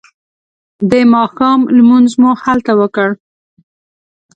د ماښام لمونځ مو هلته وکړ.